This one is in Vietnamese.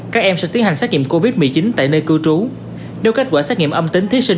các em sẽ tiến hành xác nghiệm covid một mươi chín tại nơi cư trú nếu kết quả xác nghiệm âm tính thiết sinh